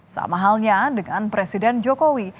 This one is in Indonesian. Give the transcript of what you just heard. sama halnya dengan presiden jokowi